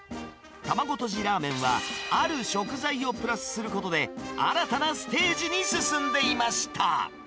玉子とじラーメンは、ある食材をプラスすることで、新たなステージに進んでいました。